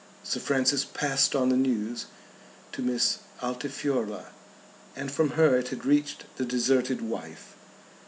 Sir Francis passed on the news to Miss Altifiorla, and from her it had reached the deserted wife.